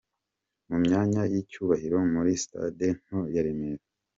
Mu myanya y'icyubahiro muri sitade nto ya Remera .